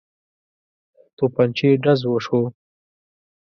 توپنچې ډز وشو.